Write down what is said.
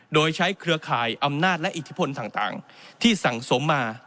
โดยใช้เครือข่ายอำนาจและอิทธิพลต่างที่สั่งสมมา